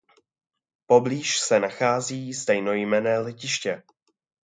Poblíž se nachází stejnojmenné letiště.